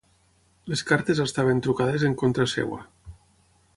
Les cartes estaven trucades en contra seva.